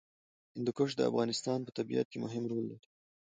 هندوکش د افغانستان په طبیعت کې مهم رول لري.